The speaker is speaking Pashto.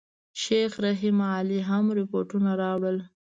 شیخ رحیم علي هم رپوټونه راوړل.